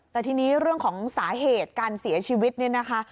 แต่ทีนี้เรื่องของสาเหตุการเสียชีวิตเนี่ยนะคะ